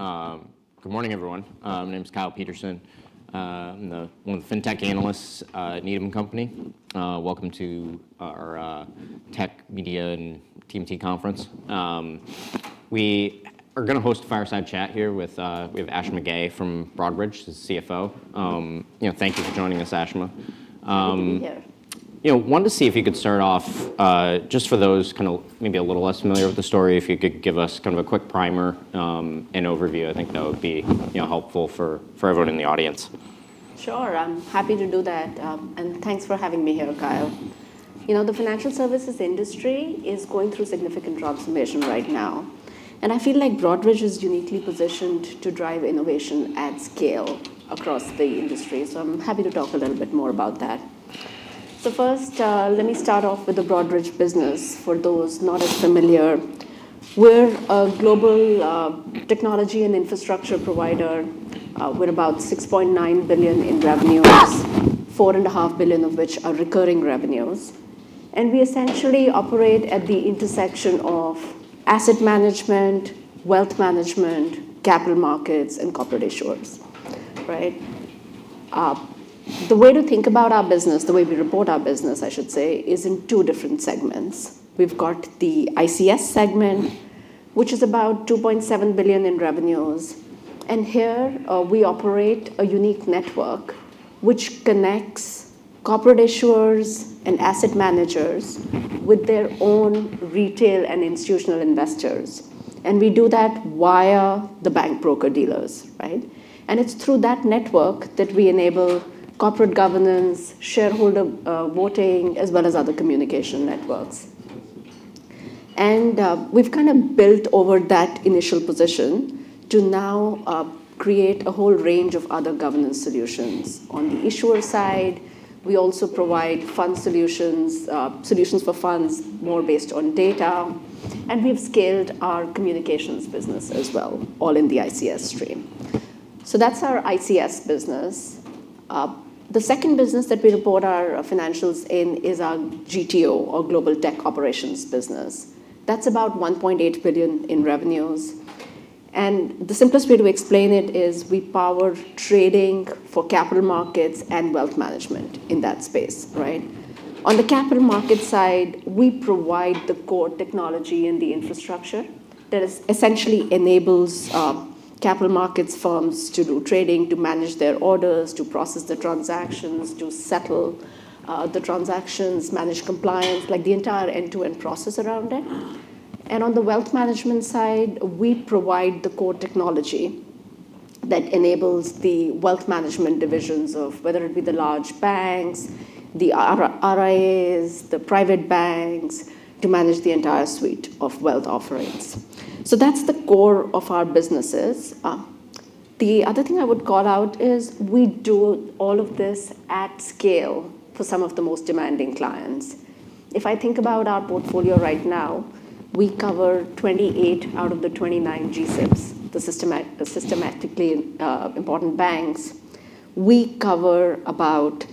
All right. Good morning, everyone. My name's Kyle Peterson. I'm one of the fintech analysts at Needham & Company. Welcome to our tech, media, and TMT conference. We are gonna host a fireside chat here with we have Ashima Ghei from Broadridge, the CFO. You know, thank you for joining us, Ashima. Good to be here. You know, wanted to see if you could start off, just for those kind of maybe a little less familiar with the story, if you could give us kind of a quick primer, and overview. I think that would be, you know, helpful for everyone in the audience. Sure. I'm happy to do that. Thanks for having me here, Kyle. You know, the financial services industry is going through significant transformation right now, and I feel like Broadridge is uniquely positioned to drive innovation at scale across the industry. I'm happy to talk a little bit more about that. First, let me start off with the Broadridge business for those not as familiar. We're a global technology and infrastructure provider with about $6.9 billion in revenues, $4.5 billion of which are recurring revenues, and we essentially operate at the intersection of asset management, wealth management, capital markets, and corporate issuers. Right? The way to think about our business, the way we report our business, I should say, is in two different segments. We've got the ICS segment, which is about $2.7 billion in revenues. Here, we operate a unique network which connects corporate issuers and asset managers with their own retail and institutional investors, and we do that via the bank broker-dealers. Right? It's through that network that we enable corporate governance, shareholder voting, as well as other communication networks. We've kind of built over that initial position to now create a whole range of other governance solutions. On the issuer side, we also provide fund solutions for funds more based on data, and we've scaled our communications business as well, all in the ICS stream. That's our ICS business. The second business that we report our financials in is our GTO or Global Tech Operations business. That's about $1.8 billion in revenues. The simplest way to explain it is we power trading for capital markets and wealth management in that space, right? On the capital market side, we provide the core technology and the infrastructure that essentially enables capital markets firms to do trading, to manage their orders, to process the transactions, to settle the transactions, manage compliance, like the entire end-to-end process around it. On the wealth management side, we provide the core technology that enables the wealth management divisions of whether it be the large banks, the RIAs, the private banks, to manage the entire suite of wealth offerings. That's the core of our businesses. The other thing I would call out is we do all of this at scale for some of the most demanding clients. If I think about our portfolio right now, we cover 28 out of the 29 G-SIBs, the systematically important banks. We cover about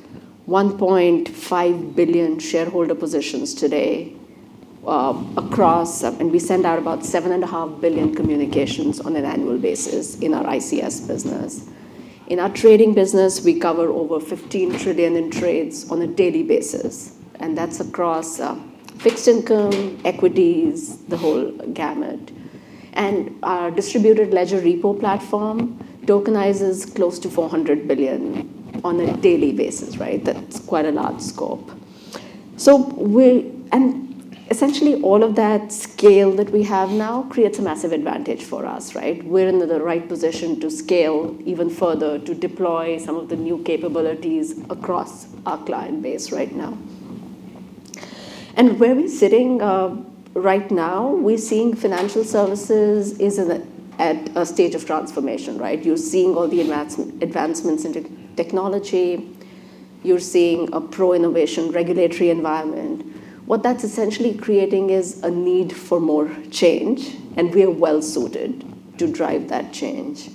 1.5 billion shareholder positions today, across we send out about 7.5 billion communications on an annual basis in our ICS business. In our trading business, we cover over $15 trillion in trades on a daily basis. That's across fixed income, equities, the whole gamut. Our Distributed Ledger Repo platform tokenizes close to $400 billion on a daily basis, right? That's quite a large scope. Essentially, all of that scale that we have now creates a massive advantage for us, right? We're in the right position to scale even further to deploy some of the new capabilities across our client base right now. Where we're sitting right now, we're seeing financial services is at a stage of transformation, right? You're seeing all the advancements in technology. You're seeing a pro-innovation regulatory environment. What that's essentially creating is a need for more change, and we are well-suited to drive that change.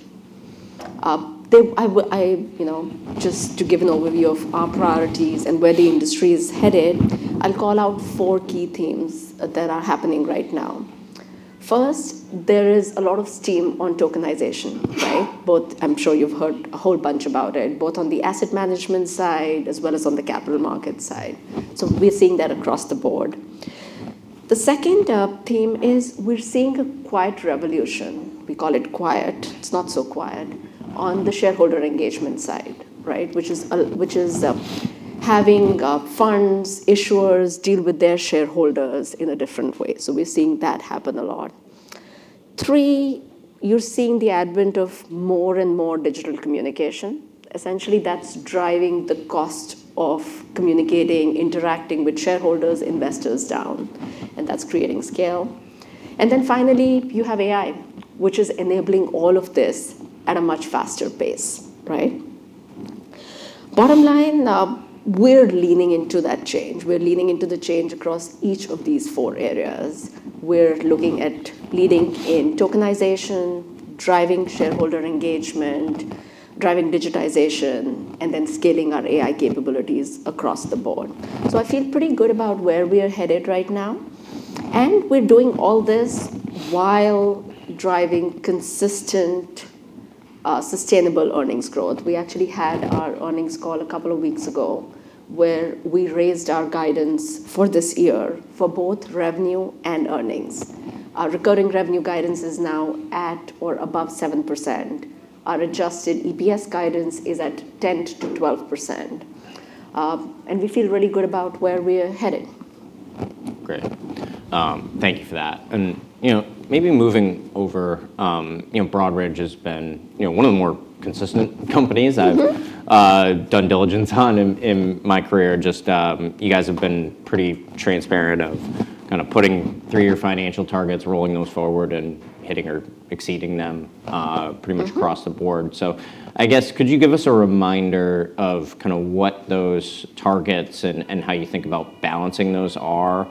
I, you know, just to give an overview of our priorities and where the industry is headed, I'll call out four key themes that are happening right now. First, there is a lot of steam on tokenization, right? Both I'm sure you've heard a whole bunch about it, both on the asset management side as well as on the capital market side. We're seeing that across the board. The second theme is we're seeing a quiet revolution. We call it quiet, it's not so quiet, on the shareholder engagement side, right? Which is having funds, issuers deal with their shareholders in a different way. We're seeing that happen a lot. Three, you're seeing the advent of more and more digital communication. Essentially, that's driving the cost of communicating, interacting with shareholders, investors down, and that's creating scale. Finally, you have AI, which is enabling all of this at a much faster pace, right? Bottom line, we're leaning into that change. We're leaning into the change across each of these four areas. We're looking at leading in tokenization, driving shareholder engagement, driving digitization, and then scaling our AI capabilities across the board. I feel pretty good about where we are headed right now, and we're doing all this while driving consistent, sustainable earnings growth. We actually had our earnings call a couple of weeks ago, where we raised our guidance for this year for both revenue and earnings. Our recurring revenue guidance is now at or above 7%. Our adjusted EPS guidance is at 10%-12%. We feel really good about where we are headed. Great. Thank you for that. You know, maybe moving over, you know, Broadridge has been, you know, one of the more consistent companies done diligence on in my career just, you guys have been pretty transparent of kind of putting three-year financial targets, rolling those forward, and hitting or exceeding them pretty much across the board. I guess, could you give us a reminder of kind of what those targets and how you think about balancing those are,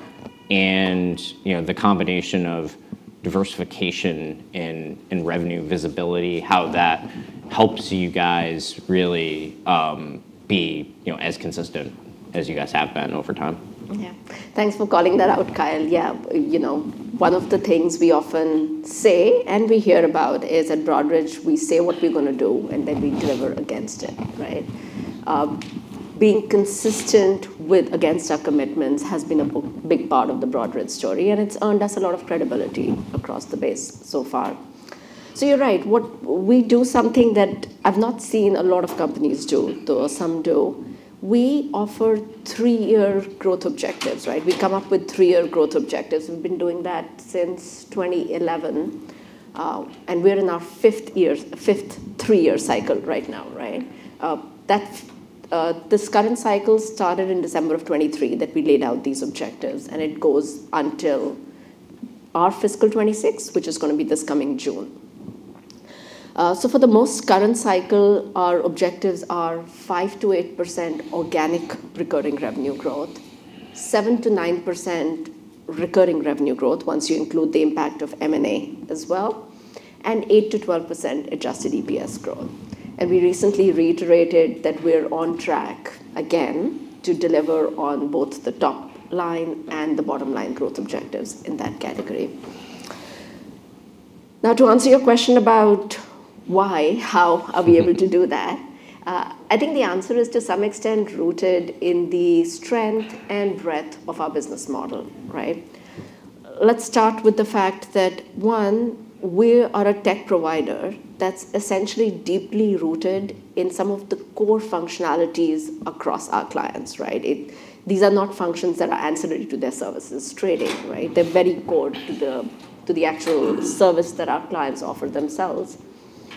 you know, the combination of diversification in revenue visibility, how that helps you guys really, be, you know, as consistent as you guys have been over time? Thanks for calling that out, Kyle. You know, one of the things we often say and we hear about is at Broadridge, we say what we're going to do, and then we deliver against it, right? Being consistent against our commitments has been a big part of the Broadridge story, and it's earned us a lot of credibility across the base so far. You're right. We do something that I've not seen a lot of companies do, though some do. We offer three-year growth objectives, right? We come up with three-year growth objectives. We've been doing that since 2011, and we're in our fifth year, fifth three-year cycle right now, right? This current cycle started in December 2023, that we laid out these objectives, and it goes until our fiscal 2026, which is going to be this coming June. So for the most current cycle, our objectives are 5%-8% organic recurring revenue growth, 7%-9% recurring revenue growth once you include the impact of M&A as well, and 8%-12% adjusted EPS growth. We recently reiterated that we're on track again to deliver on both the top line and the bottom line growth objectives in that category. To answer your question about why, how are we able to do that? I think the answer is to some extent rooted in the strength and breadth of our business model, right? Let's start with the fact that, one, we are a tech provider that's essentially deeply rooted in some of the core functionalities across our clients, right? These are not functions that are ancillary to their services trading, right? They're very core to the actual service that our clients offer themselves.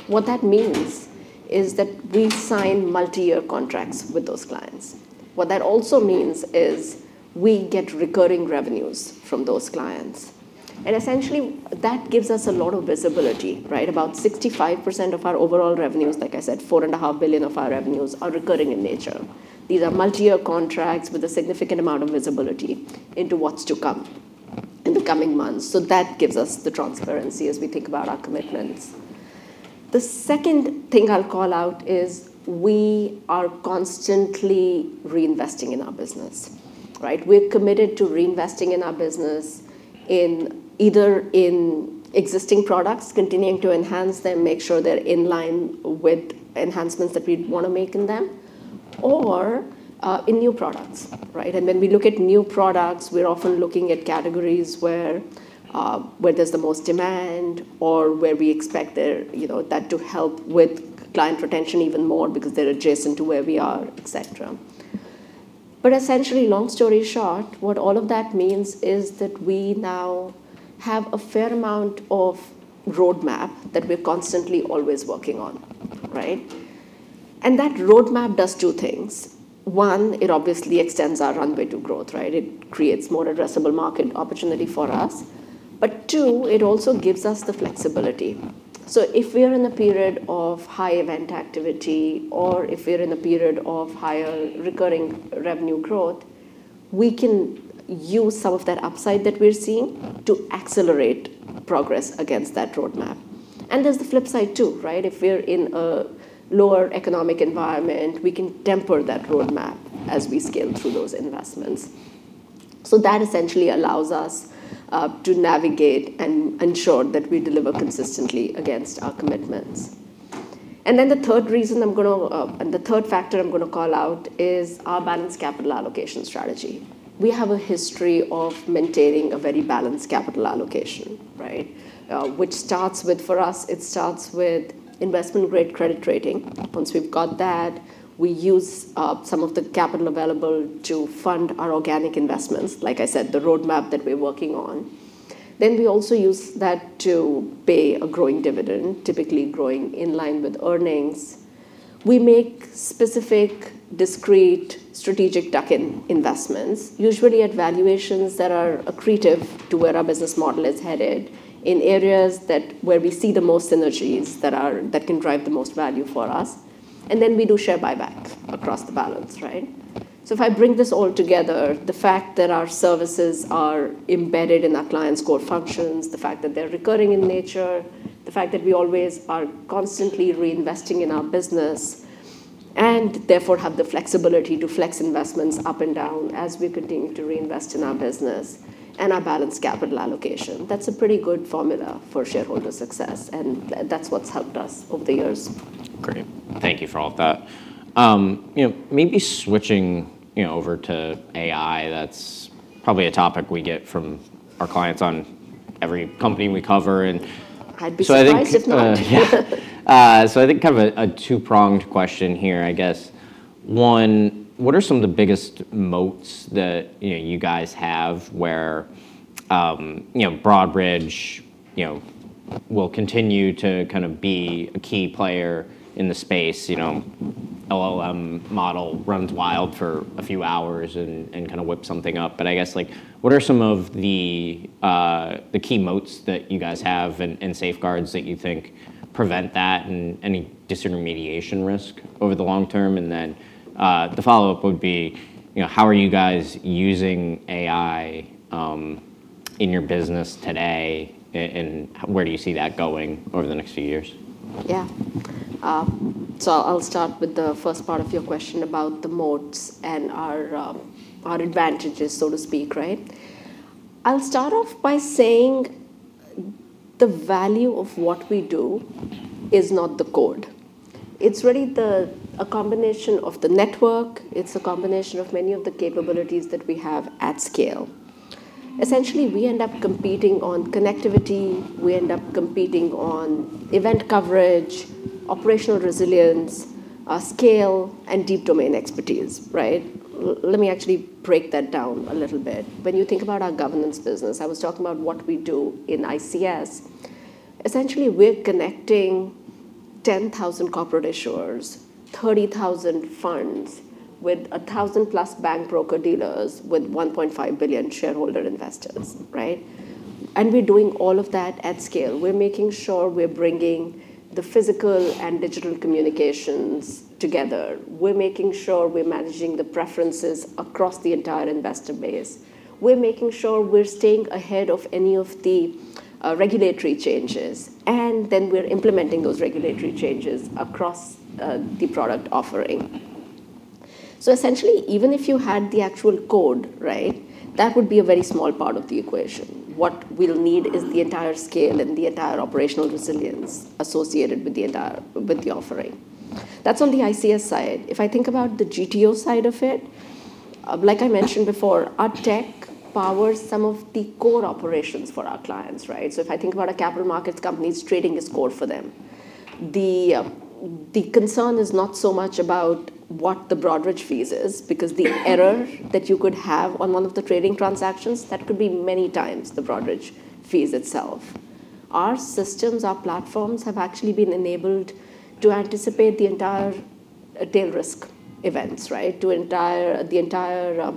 What that means is that we sign multi-year contracts with those clients. What that also means is we get recurring revenues from those clients. Essentially, that gives us a lot of visibility, right? About 65% of our overall revenues, like I said, $4.5 billion of our revenues are recurring in nature. These are multi-year contracts with a significant amount of visibility into what's to come in the coming months. That gives us the transparency as we think about our commitments. The second thing I'll call out is we are constantly reinvesting in our business, right? We're committed to reinvesting in our business in either existing products, continuing to enhance them, make sure they're in line with enhancements that we'd wanna make in them or in new products, right? When we look at new products, we're often looking at categories where there's the most demand or where we expect there, you know, that to help with client retention even more because they're adjacent to where we are, et cetera. Essentially, long story short, what all of that means is that we now have a fair amount of roadmap that we're constantly always working on, right? That roadmap does two things. One, it obviously extends our runway to growth, right? It creates more addressable market opportunity for us. Two, it also gives us the flexibility. If we are in a period of high event activity or if we're in a period of higher recurring revenue growth, we can use some of that upside that we're seeing to accelerate progress against that roadmap. There's the flip side too, right? If we're in a lower economic environment, we can temper that roadmap as we scale through those investments. That essentially allows us to navigate and ensure that we deliver consistently against our commitments. The third factor I'm gonna call out is our balanced capital allocation strategy. We have a history of maintaining a very balanced capital allocation, right? Which starts with, for us, it starts with investment-grade credit rating. Once we've got that, we use some of the capital available to fund our organic investments, like I said, the roadmap that we're working on. We also use that to pay a growing dividend, typically growing in line with earnings. We make specific, discrete, strategic tuck-in investments, usually at valuations that are accretive to where our business model is headed, in areas that where we see the most synergies that can drive the most value for us. We do share buyback across the balance, right? If I bring this all together, the fact that our services are embedded in our clients' core functions, the fact that they're recurring in nature, the fact that we always are constantly reinvesting in our business. Therefore have the flexibility to flex investments up and down as we continue to reinvest in our business and our balanced capital allocation. That's a pretty good formula for shareholder success, and that's what's helped us over the years. Great. Thank you for all of that. You know, maybe switching, you know, over to AI, that's probably a topic we get from our clients on every company we cover. I'd be surprised if not. Yeah. I think kind of a two-pronged question here, I guess. One, what are some of the biggest moats that, you know, you guys have where, you know, Broadridge, you know, will continue to kind of be a key player in the space? You know, LLM model runs wild for a few hours and kind of whip something up. I guess, like, what are some of the key moats that you guys have and safeguards that you think prevent that and any disintermediation risk over the long term? The follow-up would be, you know, how are you guys using AI in your business today and where do you see that going over the next few years? I'll start with the first part of your question about the moats and our advantages, so to speak, right? I'll start off by saying the value of what we do is not the code. It's really a combination of the network. It's a combination of many of the capabilities that we have at scale. Essentially, we end up competing on connectivity, we end up competing on event coverage, operational resilience, scale, and deep domain expertise, right? Let me actually break that down a little bit. When you think about our governance business, I was talking about what we do in ICS. Essentially, we're connecting 10,000 corporate issuers, 30,000 funds with 1,000+ bank broker-dealers with 1.5 billion shareholder investors, right? We're doing all of that at scale. We're making sure we're bringing the physical and digital communications together. We're making sure we're managing the preferences across the entire investor base. We're making sure we're staying ahead of any of the regulatory changes, and then we're implementing those regulatory changes across the product offering. Essentially, even if you had the actual code, right, that would be a very small part of the equation. What we'll need is the entire scale and the entire operational resilience associated with the offering. That's on the ICS side. If I think about the GTO side of it, like I mentioned before, our tech powers some of the core operations for our clients, right? If I think about a capital markets company, trading is core for them. The concern is not so much about what the Broadridge fees is, because the error that you could have on one of the trading transactions, that could be many times the Broadridge fees itself. Our systems, our platforms, have actually been enabled to anticipate the entire tail risk events, right. The entire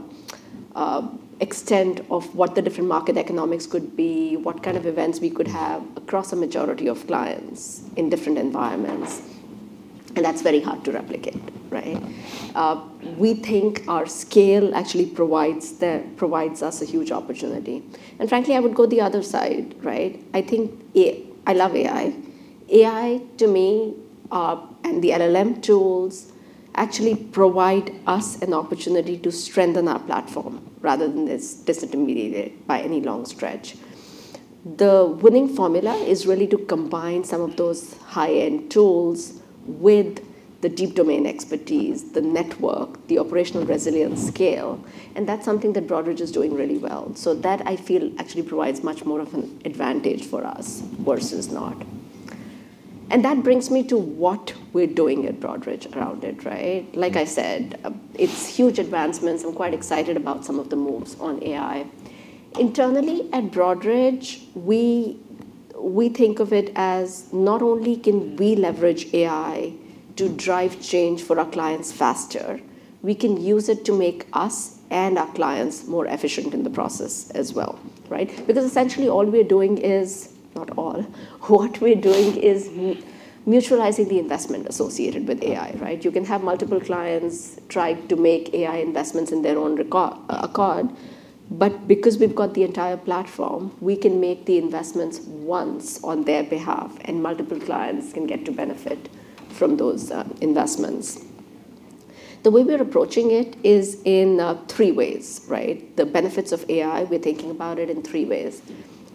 extent of what the different market economics could be, what kind of events we could have across a majority of clients in different environments, and that's very hard to replicate, right. We think our scale actually provides us a huge opportunity. Frankly, I would go the other side, right. I think I love AI. AI, to me, and the LLM tools actually provide us an opportunity to strengthen our platform rather than it's disintermediated by any long stretch. The winning formula is really to combine some of those high-end tools with the deep domain expertise, the network, the operational resilience scale, and that's something that Broadridge is doing really well. That I feel actually provides much more of an advantage for us versus not. That brings me to what we're doing at Broadridge around it, right? Like I said, it's huge advancements. I'm quite excited about some of the moves on AI. Internally, at Broadridge, we think of it as not only can we leverage AI to drive change for our clients faster, we can use it to make us and our clients more efficient in the process as well, right? What we're doing is mutualizing the investment associated with AI, right? You can have multiple clients trying to make AI investments in their own accord. Because we've got the entire platform, we can make the investments once on their behalf, and multiple clients can get to benefit from those investments. The way we're approaching it is in three ways, right? The benefits of AI, we're thinking about it in three ways.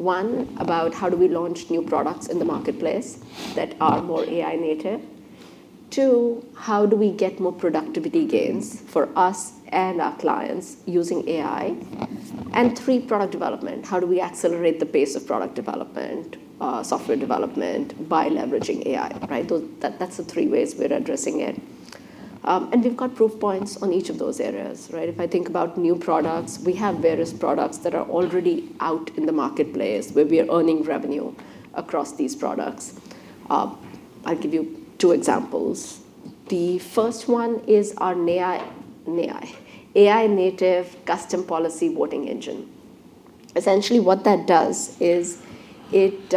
One, about how do we launch new products in the marketplace that are more AI-native. Two, how do we get more productivity gains for us and our clients using AI. Three, product development. How do we accelerate the pace of product development, software development by leveraging AI, right? That's the three ways we're addressing it. We've got proof points on each of those areas, right? If I think about new products, we have various products that are already out in the marketplace where we are earning revenue across these products. I'll give you two examples. The first one is our an AI, AI-native custom policy voting engine. Essentially, what that does is it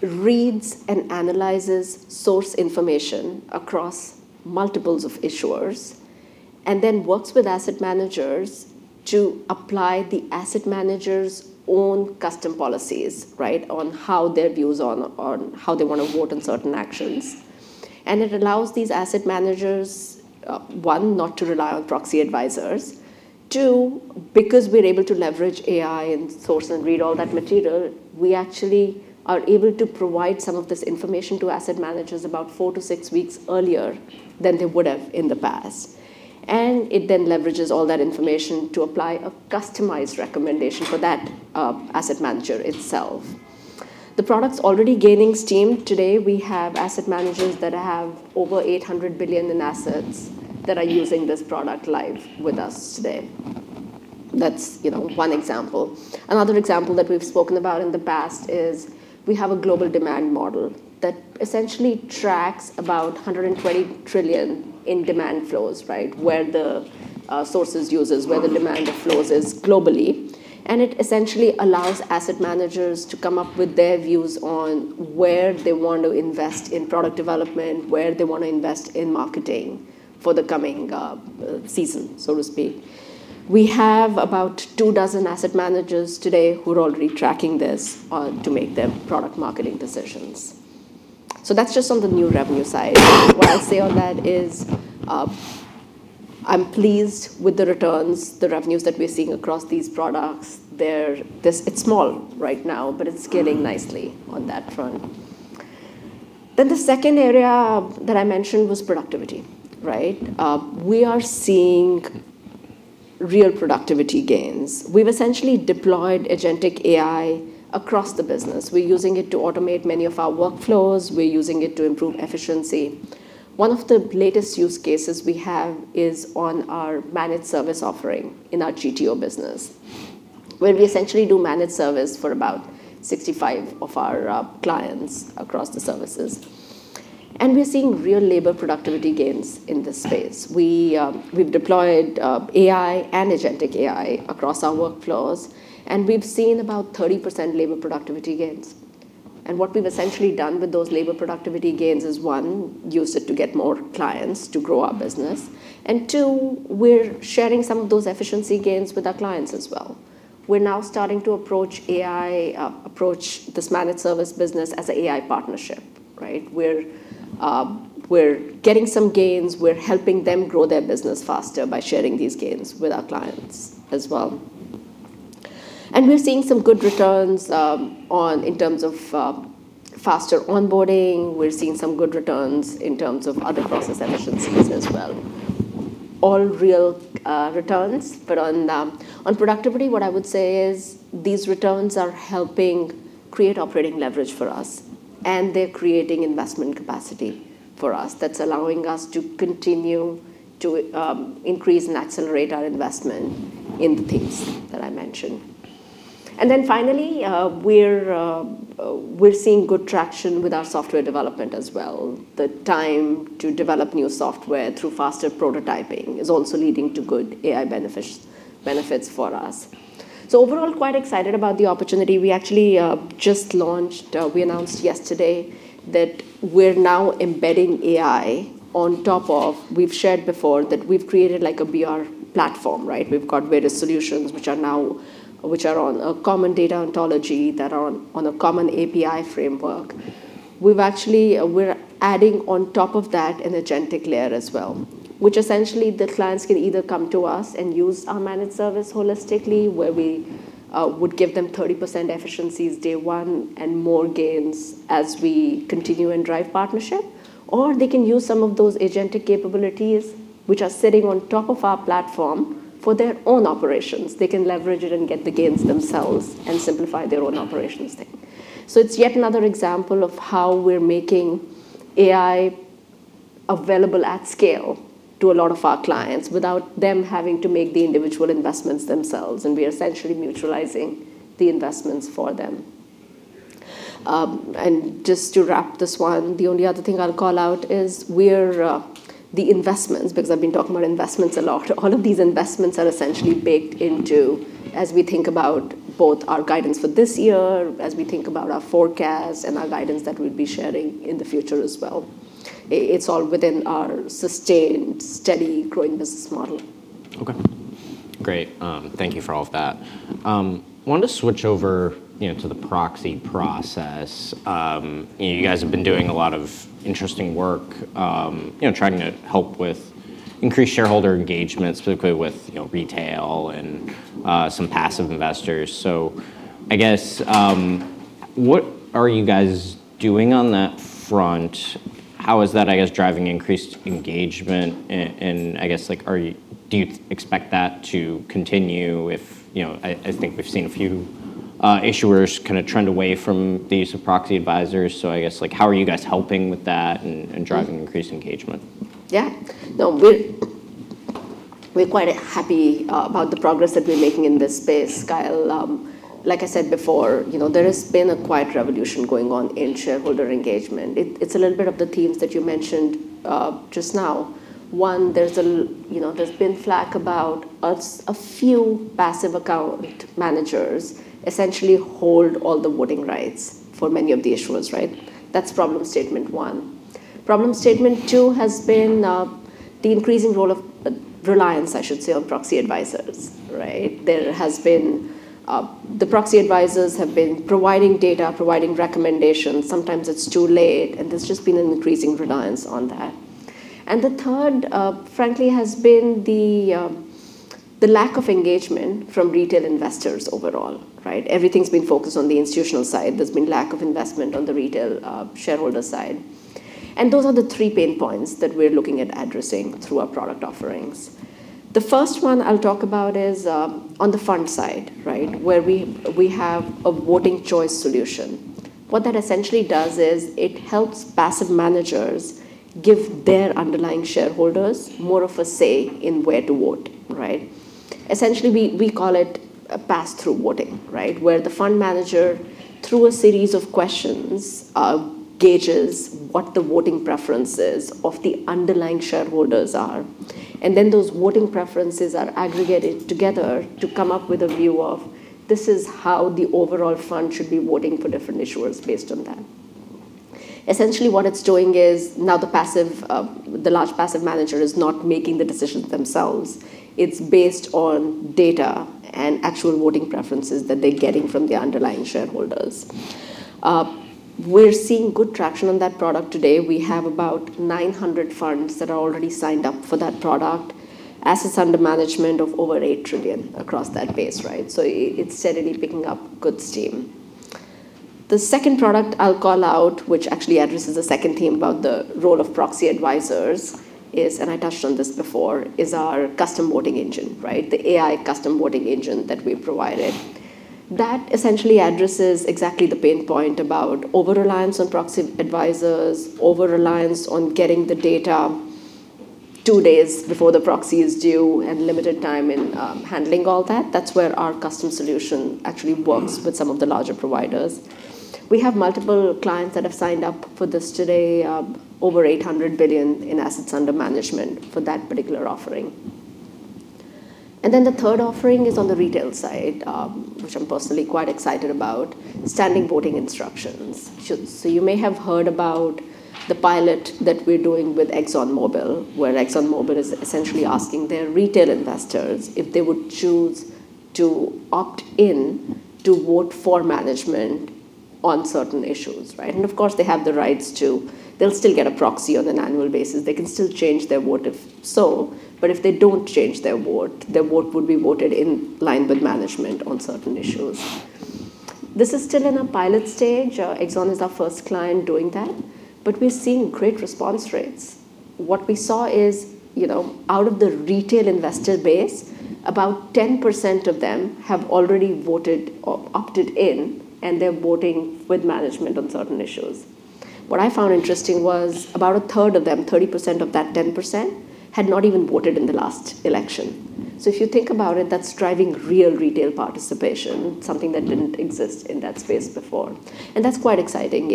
reads and analyzes source information across multiples of issuers. Then works with asset managers to apply the asset manager's own custom policies, right? On how their views on how they wanna vote on certain actions. It allows these asset managers, one, not to rely on proxy advisors. Two, because we're able to leverage AI and source and read all that material, we actually are able to provide some of this information to asset managers about four to six weeks earlier than they would have in the past. It then leverages all that information to apply a customized recommendation for that asset manager itself. The product's already gaining steam. Today, we have asset managers that have over $800 billion in assets that are using this product live with us today. That's, you know, one example. Another example that we've spoken about in the past is we have a Global Demand Model that essentially tracks about $120 trillion in demand flows, right? Where the demand flows is globally. It essentially allows asset managers to come up with their views on where they want to invest in product development, where they wanna invest in marketing for the coming season, so to speak. We have about two dozen asset managers today who are already tracking this to make their product marketing decisions. That's just on the new revenue side. What I'll say on that is, I'm pleased with the returns, the revenues that we're seeing across these products. It's small right now, but it's scaling nicely on that front. The second area that I mentioned was productivity, right? We are seeing real productivity gains. We've essentially deployed agentic AI across the business. We're using it to automate many of our workflows. We're using it to improve efficiency. One of the latest use cases we have is on our managed service offering in our GTO business, where we essentially do managed service for about 65 of our clients across the services. We're seeing real labor productivity gains in this space. We've deployed AI and agentic AI across our workflows, and we've seen about 30% labor productivity gains. What we've essentially done with those labor productivity gains is, one, use it to get more clients to grow our business. Two, we're sharing some of those efficiency gains with our clients as well. We're now starting to approach AI, approach this managed service business as a AI partnership, right? We're getting some gains. We're helping them grow their business faster by sharing these gains with our clients as well. We're seeing some good returns in terms of faster onboarding. We're seeing some good returns in terms of other process efficiencies as well. All real returns. On productivity, what I would say is these returns are helping create operating leverage for us, and they're creating investment capacity for us that's allowing us to continue to increase and accelerate our investment in the things that I mentioned. Finally, we're seeing good traction with our software development as well. The time to develop new software through faster prototyping is also leading to good AI benefits for us. Overall, quite excited about the opportunity. We actually just launched, we announced yesterday that we're now embedding AI on top of We've shared before that we've created like a BRx platform, right? We've got various solutions which are on a common data ontology that are on a common API framework. We've actually We're adding on top of that an agentic layer as well, which essentially the clients can either come to us and use our managed service holistically, where we would give them 30% efficiencies day one and more gains as we continue and drive partnership. They can use some of those agentic capabilities which are sitting on top of our platform for their own operations. They can leverage it and get the gains themselves and simplify their own operations there. It's yet another example of how we're making AI available at scale to a lot of our clients without them having to make the individual investments themselves, and we are essentially mutualizing the investments for them. Just to wrap this one, the only other thing I'll call out is we're the investments, because I've been talking about investments a lot, all of these investments are essentially baked into as we think about both our guidance for this year, as we think about our forecast and our guidance that we'll be sharing in the future as well. It's all within our sustained, steady growing business model. Okay, great. Thank you for all of that. I wanted to switch over, you know, to the proxy process. You know, you guys have been doing a lot of interesting work, you know, trying to help with increased shareholder engagement, specifically with, you know, retail and some passive investors. What are you guys doing on that front? How is that, I guess, driving increased engagement? Do you expect that to continue if, you know I think we've seen a few issuers kinda trend away from the use of proxy advisors. How are you guys helping with that and driving increased engagement? Yeah. No, we're quite happy about the progress that we're making in this space, Kyle. Like I said before, you know, there has been a quiet revolution going on in shareholder engagement. It's a little bit of the themes that you mentioned just now. One, there's, you know, there's been flak about a few passive account managers essentially hold all the voting rights for many of the issuers, right? That's problem statement one. Problem statement two has been the increasing reliance, I should say, on proxy advisors, right? The proxy advisors have been providing data, providing recommendations. Sometimes it's too late, there's just been an increasing reliance on that. The third, frankly, has been the lack of engagement from retail investors overall, right? Everything's been focused on the institutional side. There's been lack of investment on the retail shareholder side. Those are the three pain points that we're looking at addressing through our product offerings. The first one I'll talk about is on the fund side, right? Where we have a Voting Choice solution. What that essentially does is it helps passive managers give their underlying shareholders more of a say in where to vote, right? Essentially, we call it a pass-through voting, right? Where the fund manager, through a series of questions, gauges what the voting preferences of the underlying shareholders are. Then those voting preferences are aggregated together to come up with a view of this is how the overall fund should be voting for different issuers based on that. Essentially, what it's doing is now the passive, the large passive manager is not making the decisions themselves. It's based on data and actual voting preferences that they're getting from the underlying shareholders. We're seeing good traction on that product today. We have about 900 funds that are already signed up for that product. Assets under management of over $8 trillion across that base, right? It's certainly picking up good steam. The second product I'll call out, which actually addresses the second theme about the role of proxy advisors, is, and I touched on this before, is our custom voting engine, right? The AI custom voting engine that we've provided. Essentially addresses exactly the pain point about over-reliance on proxy advisors, over-reliance on getting the data two days before the proxy is due, and limited time in handling all that. Where our custom solution actually works with some of the larger providers. We have multiple clients that have signed up for this today, over $800 billion in assets under management for that particular offering. The third offering is on the retail side, which I'm personally quite excited about, Standing Voting Instructions. You may have heard about the pilot that we're doing with ExxonMobil, where ExxonMobil is essentially asking their retail investors if they would choose to opt in to vote for management on certain issues, right? Of course, they have the rights to. They'll still get a proxy on an annual basis. They can still change their vote if so. If they don't change their vote, their vote would be voted in line with management on certain issues. This is still in a pilot stage. Exxon is our first client doing that, we're seeing great response rates. What we saw is, you know, out of the retail investor base, about 10% of them have already voted or opted in, and they're voting with management on certain issues. What I found interesting was about 1/3 of them, 30% of that 10%, had not even voted in the last election. If you think about it, that's driving real retail participation, something that didn't exist in that space before, and that's quite exciting.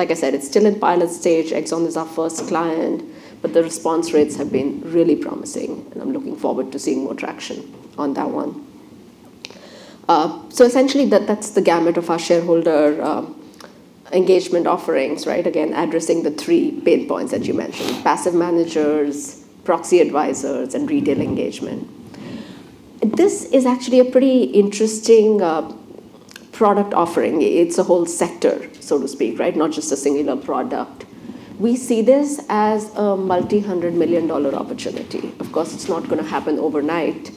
Like I said, it's still in pilot stage. Exxon is our first client, but the response rates have been really promising, and I'm looking forward to seeing more traction on that one. Essentially that's the gamut of our shareholder engagement offerings, right? Again, addressing the three pain points that you mentioned: passive managers, proxy advisors, and retail engagement. This is actually a pretty interesting product offering. It's a whole sector, so to speak, right? Not just a singular product. We see this as a multi-hundred million dollar opportunity. Of course, it's not gonna happen overnight.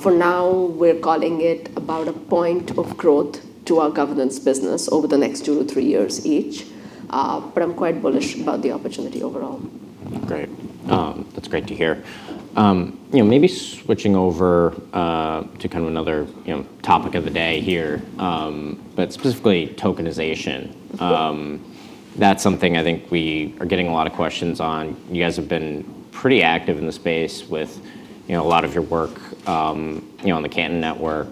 For now, we're calling it about a point of growth to our governance business over the next two to three years each. I'm quite bullish about the opportunity overall. Great. That's great to hear. You know, maybe switching over to kind of another, you know, topic of the day here, but specifically tokenization. That's something I think we are getting a lot of questions on. You guys have been pretty active in the space with, you know, a lot of your work, you know, on the Canton Network.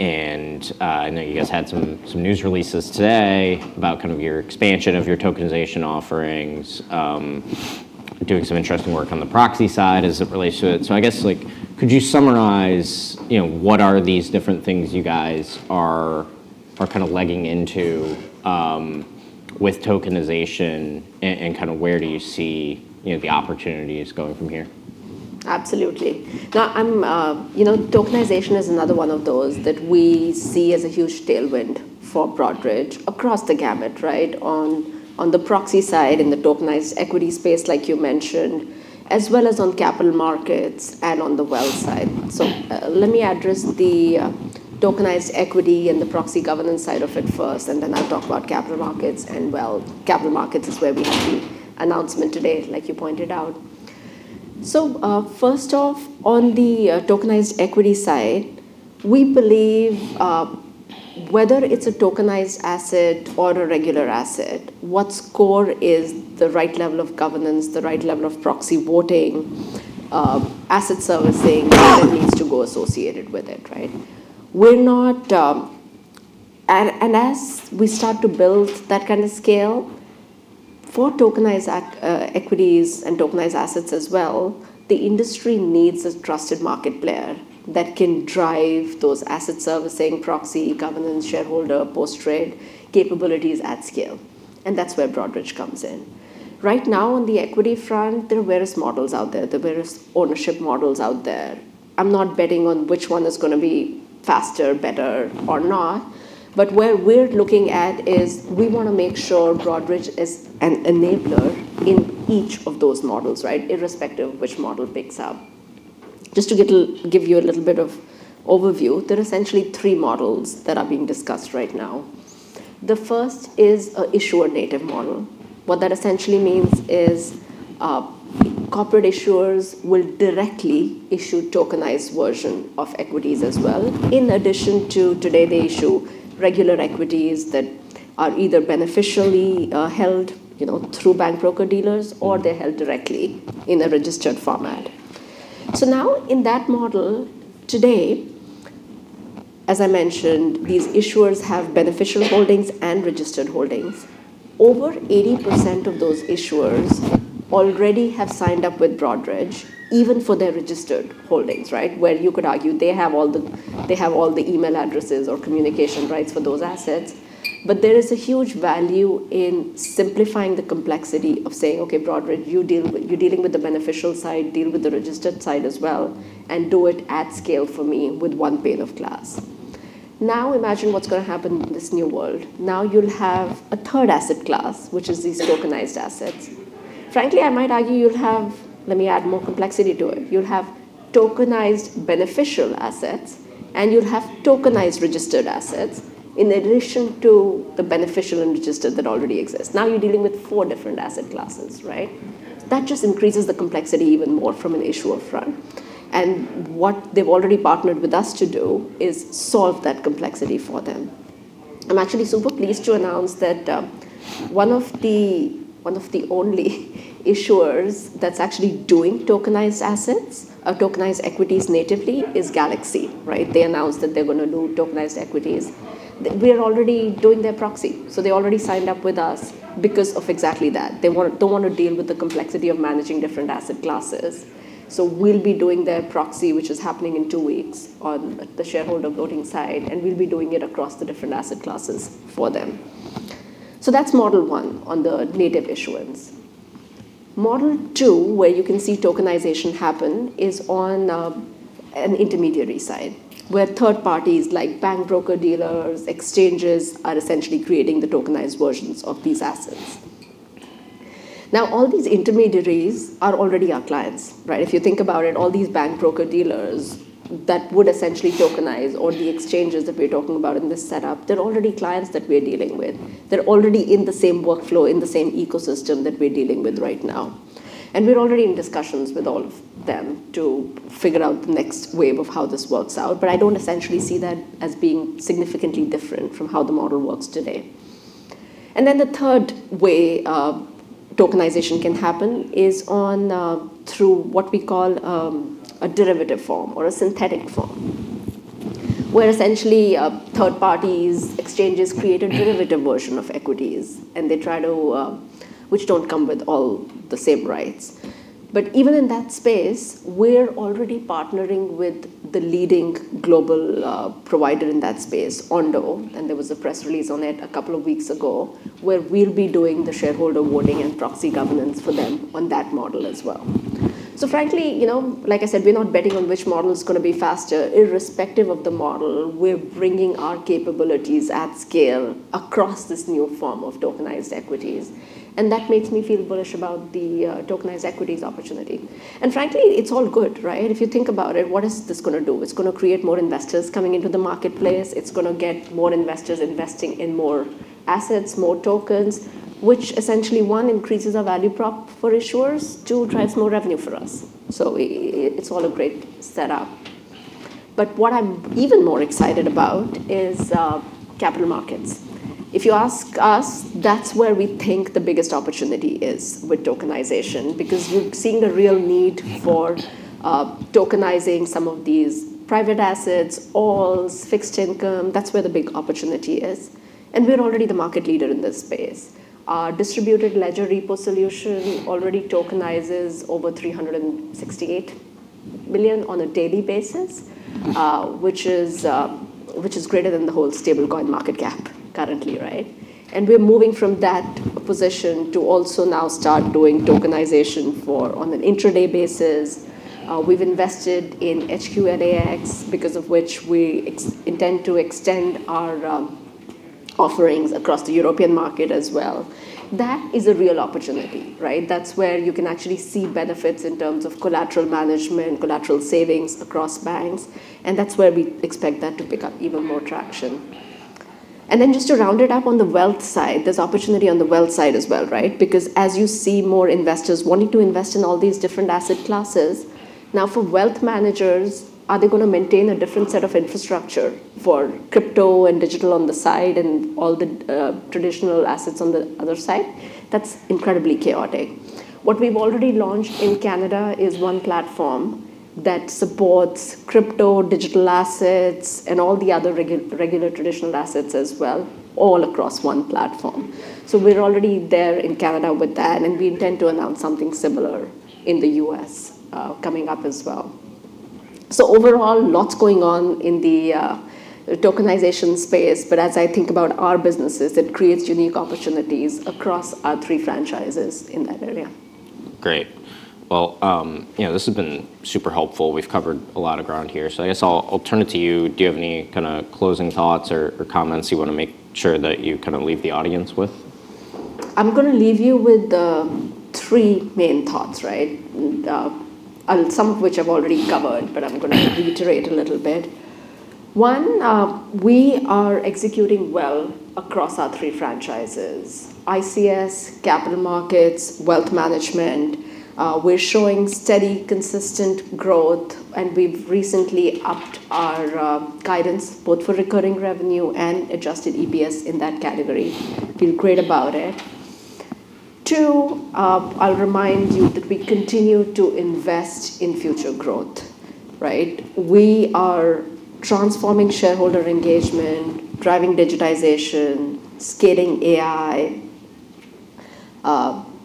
And I know you guys had some news releases today about kind of your expansion of your tokenization offerings, doing some interesting work on the proxy side as it relates to it. I guess, like, could you summarize, you know, what are these different things you guys are kind of legging into with tokenization and kind of where do you see, you know, the opportunities going from here? Absolutely. Now I'm, you know, tokenization is another one of those that we see as a huge tailwind for Broadridge across the gamut, right? On the proxy side, in the tokenized equity space, like you mentioned, as well as on capital markets and on the wealth side. Let me address the tokenized equity and the proxy governance side of it first, and then I'll talk about capital markets and wealth. Capital markets is where we had the announcement today, like you pointed out. First off, on the tokenized equity side, we believe whether it's a tokenized asset or a regular asset, what's core is the right level of governance, the right level of proxy voting, asset servicing that needs to go associated with it, right? We're not. As we start to build that kind of scale for tokenized equities and tokenized assets as well, the industry needs a trusted market player that can drive those asset servicing, proxy, governance, shareholder, post-trade capabilities at scale, and that's where Broadridge comes in. Right now on the equity front, there are various models out there. There are various ownership models out there. I'm not betting on which one is gonna be faster, better or not, but where we're looking at is we wanna make sure Broadridge is an enabler in each of those models, right? Irrespective of which model picks up. Just to give you a little bit of overview, there are essentially three models that are being discussed right now. The first is a issuer-native model. What that essentially means is, corporate issuers will directly issue tokenized version of equities as well, in addition to today they issue regular equities that are either beneficially held, you know, through bank broker-dealers, or they're held directly in a registered format. In that model today, as I mentioned, these issuers have beneficial holdings and registered holdings. Over 80% of those issuers already have signed up with Broadridge even for their registered holdings, right? Where you could argue they have all the email addresses or communication rights for those assets. There is a huge value in simplifying the complexity of saying, okay, Broadridge, you're dealing with the beneficial side, deal with the registered side as well, and do it at scale for me with one pane of glass. Imagine what's gonna happen in this new world. Now you'll have a third asset class, which is these tokenized assets. Frankly, I might argue let me add more complexity to it. You'll have tokenized beneficial assets, and you'll have tokenized registered assets in addition to the beneficial and registered that already exist. Now you're dealing with four different asset classes, right? That just increases the complexity even more from an issuer front. What they've already partnered with us to do is solve that complexity for them. I'm actually super pleased to announce that one of the only issuers that's actually doing tokenized assets or tokenized equities natively is Galaxy, right? They announced that they're gonna do tokenized equities. We are already doing their proxy, they already signed up with us because of exactly that. They don't wanna deal with the complexity of managing different asset classes. We'll be doing their proxy, which is happening in two weeks on the shareholder voting side, and we'll be doing it across the different asset classes for them. That's model one on the native issuance. Model two, where you can see tokenization happen, is on an intermediary side, where third parties like bank broker-dealers, exchanges are essentially creating the tokenized versions of these assets. All these intermediaries are already our clients, right? If you think about it, all these bank broker-dealers that would essentially tokenize or the exchanges that we're talking about in this setup, they're already clients that we're dealing with. They're already in the same workflow, in the same ecosystem that we're dealing with right now. We're already in discussions with all of them to figure out the next wave of how this works out. I don't essentially see that as being significantly different from how the model works today. The third way tokenization can happen is on through what we call a derivative form or a synthetic form, where essentially third parties, exchanges create a derivative version of equities, which don't come with all the same rights. Even in that space, we're already partnering with the leading global provider in that space, Ondo, and there was a press release on it a couple of weeks ago, where we'll be doing the shareholder voting and proxy governance for them on that model as well. You know, like I said, we're not betting on which model is gonna be faster. Irrespective of the model, we're bringing our capabilities at scale across this new form of tokenized equities, that makes me feel bullish about the tokenized equities opportunity. Frankly, it's all good, right? If you think about it, what is this gonna do? It's gonna create more investors coming into the marketplace. It's gonna get more investors investing in more assets, more tokens, which essentially, one, increases our value prop for issuers, two, drives more revenue for us. It's all a great setup. What I'm even more excited about is capital markets. If you ask us, that's where we think the biggest opportunity is with tokenization, because we're seeing the real need for tokenizing some of these private assets, alts, fixed income. That's where the big opportunity is. We're already the market leader in this space. Our Distributed Ledger Repo solution already tokenizes over $368 million on a daily basis, which is greater than the whole stablecoin market cap currently, right? We're moving from that position to also now start doing tokenization on an intraday basis. We've invested in HQLAx, because of which we intend to extend our offerings across the European market as well. That is a real opportunity, right? That's where you can actually see benefits in terms of collateral management, collateral savings across banks. That's where we expect that to pick up even more traction. Just to round it up on the wealth side, there's opportunity on the wealth side as well, right? As you see more investors wanting to invest in all these different asset classes, now for wealth managers, are they gonna maintain a different set of infrastructure for crypto and digital on the side and all the regular traditional assets on the other side? That's incredibly chaotic. What we've already launched in Canada is one platform that supports crypto, digital assets, and all the other regular traditional assets as well, all across one platform. We're already there in Canada with that, and we intend to announce something similar in the U.S. coming up as well. Overall, lots going on in the tokenization space. As I think about our businesses, it creates unique opportunities across our three franchises in that area. Great. Well, you know, this has been super helpful. We've covered a lot of ground here. I guess I'll turn it to you. Do you have any kinda closing thoughts or comments you wanna make sure that you kinda leave the audience with? I'm gonna leave you with the three main thoughts, right? Some of which I've already covered- but I'm gonna reiterate a little bit. One, we are executing well across our three franchises, ICS, capital markets, wealth management. We're showing steady, consistent growth, and we've recently upped our guidance both for recurring revenue and adjusted EPS in that category. Feel great about it. Two, I'll remind you that we continue to invest in future growth, right? We are transforming shareholder engagement, driving digitization, scaling AI,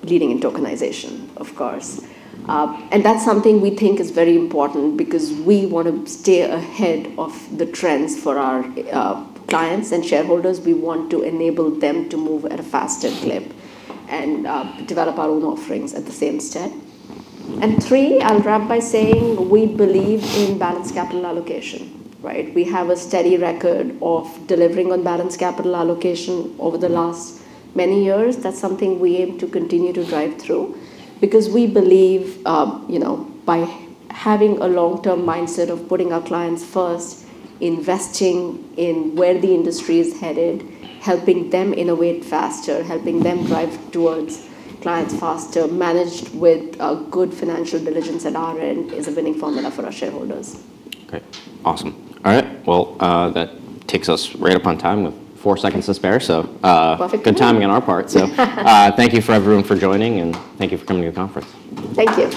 leading in tokenization, of course. That's something we think is very important because we wanna stay ahead of the trends for our clients and shareholders. We want to enable them to move at a faster clip and develop our own offerings at the same stead. Three, I'll wrap by saying we believe in balanced capital allocation, right? We have a steady record of delivering on balanced capital allocation over the last many years. That's something we aim to continue to drive through because we believe, you know, by having a long-term mindset of putting our clients first, investing in where the industry is headed, helping them innovate faster, helping them drive towards clients faster, managed with a good financial diligence at our end, is a winning formula for our shareholders. Great. Awesome. All right. That takes us right up on time with four seconds to spare. Perfect timing. Good timing on our part. Thank you for everyone for joining, and thank you for coming to the conference. Thank you.